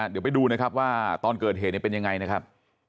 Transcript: เดี๋ยวไปดูนะครับว่าตอนเกิดเหตุเป็นยังไงนะครับ